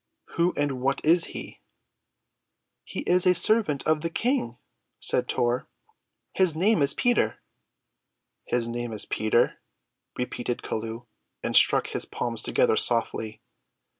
"Who and what is he?" "He is a servant of the King," said Tor. "His name is Peter." "His name is Peter," repeated Chelluh, and struck his palms together softly.